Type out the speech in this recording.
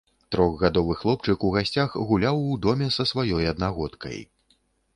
Трохгадовы хлопчык у гасцях гуляў у доме са сваёй аднагодкай.